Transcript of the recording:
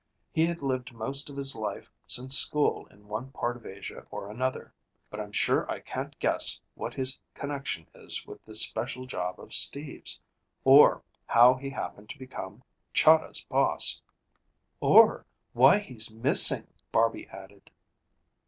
He had lived most of his life since school in one part of Asia or another. But I'm sure I can't guess what his connection is with this special job of Steve's, or how he happened to become Chahda's boss." "Or why he's missing," Barby added.